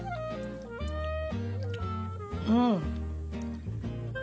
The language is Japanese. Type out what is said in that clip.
うん。